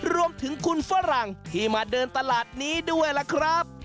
รวมถึงคุณฝรั่งที่มาเดินตลาดนี้ด้วยล่ะครับ